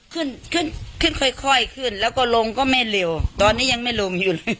ขึ้นขึ้นขึ้นขึ้นค่อยค่อยขึ้นแล้วก็ลงก็ไม่เร็วตอนนี้ยังไม่ลงอยู่เลย